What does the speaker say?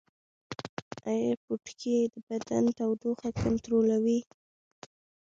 ایا پوټکی د بدن تودوخه کنټرولوي؟